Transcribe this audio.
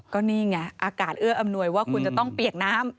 ก็นี่ไงอากาศเอื้ออำนวยว่าคุณจะต้องเปียกน้ำ